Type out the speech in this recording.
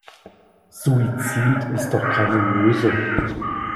Suizid ist doch keine Lösung.